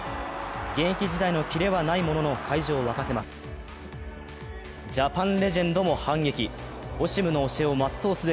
現役時代のキレはないものの会場を沸かせます。